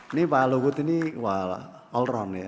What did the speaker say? ini pak luhut ini all round